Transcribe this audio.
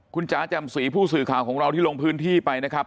คุณจ๋าแจ่มสีผู้สื่อข่าวของเราที่ลงพื้นที่ไปนะครับ